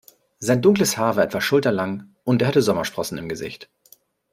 Sein dunkles Haar war etwa schulterlang und er hatte Sommersprossen im Gesicht.